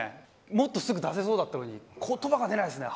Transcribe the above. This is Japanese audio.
もっとすぐ出せそうだったのに言葉が出ないっすね。